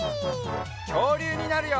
きょうりゅうになるよ！